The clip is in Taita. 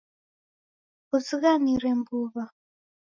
Kunizighanire mbuw'a